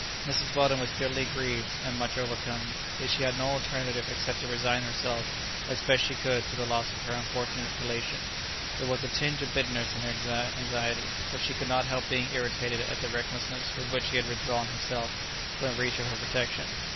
Mrs. Weldon was bitterly grieved and much overcome, but she had no alternative except to resign herself as best she could to the loss of her unfortunate relation; there was a tinge of bitterness in her anxiety, for she could not help being irritated at the recklessness with which he had withdrawn himself from the reach of her protection.